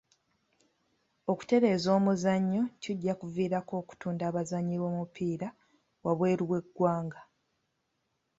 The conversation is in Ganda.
Okutereeza omuzannyo kijja kuviirako okutunda abazannyi b'omupiira waabweru w'eggwanga.